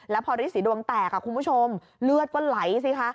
แล้วพอฤทธีดวงแตกคุณผู้ชมเลือดก็ไหลสิคะ